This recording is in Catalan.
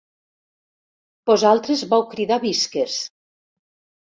Vosaltres vau cridar visques.